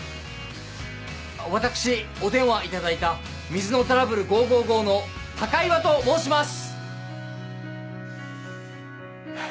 私お電話いただいた「水のトラブルＧＯＧＯＧＯ」の高岩と申します！